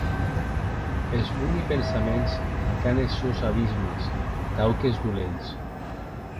Es boni pensaments qu’an es sòns abismes tau qu’es dolents.